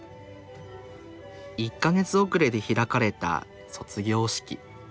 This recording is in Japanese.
１か月遅れで開かれた卒業式。